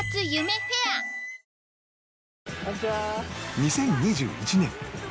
２０２１年